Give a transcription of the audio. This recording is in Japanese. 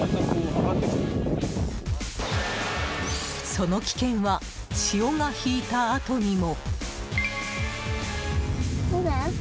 その危険は潮が引いたあとにも。